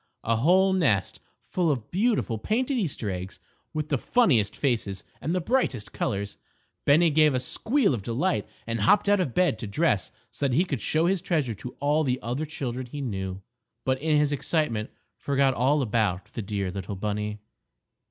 A whole nest full of beautiful, painted Easter eggs with the funniest faces and the brightest colors. Bennie gave a squeal of delight and hopped out of bed to dress so that he could show his treasure to all the other children he knew, but in his excitement forgot all about the dear little bunny.